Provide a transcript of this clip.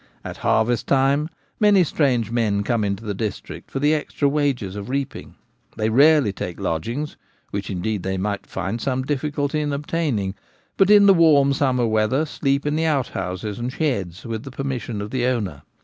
At harvest time many strange men come into the district for the extra wages of reaping. They rarely take lodgings — which, indeed, they might find some difficulty in obtaining — but in the warm summer weather sleep in the outhouses and sheds, with the per mission of the owner.